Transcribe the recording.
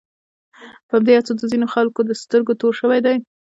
په همدې هڅو د ځینو خلکو د سترګو تور شوی دی.